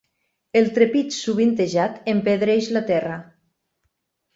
El trepig sovintejat empedreeix la terra.